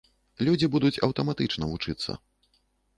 Людзі будуць аўтаматычна вучыцца.